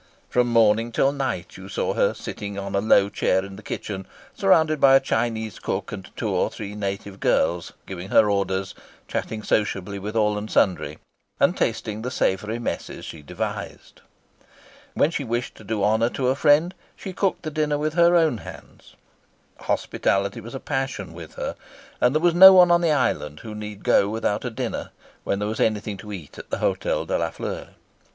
From morning till night you saw her sitting on a low chair in the kitchen, surrounded by a Chinese cook and two or three native girls, giving her orders, chatting sociably with all and sundry, and tasting the savoury messes she devised. When she wished to do honour to a friend she cooked the dinner with her own hands. Hospitality was a passion with her, and there was no one on the island who need go without a dinner when there was anything to eat at the Hotel de la Fleur.